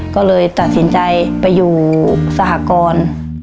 ก็เลยตัดสินใจไปอยู่สหกร